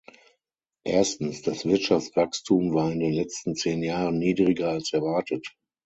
Erstens, das Wirtschaftswachstum war in den letzten zehn Jahren niedriger als erwartet.